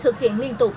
thực hiện liên tục